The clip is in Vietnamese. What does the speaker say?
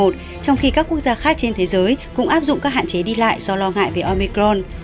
trong khi các quốc gia khác trên thế giới cũng áp dụng các hạn chế đi lại do lo ngại về omicron